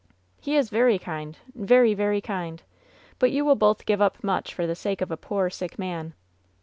'' "He is very kind ; very, very kind. But you will both give up much for the sake of a poor, sick man."